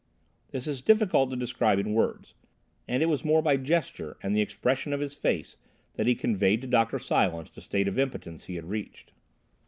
This is difficult to describe in words, and it was more by gesture and the expression of his face that he conveyed to Dr. Silence the state of impotence he had reached.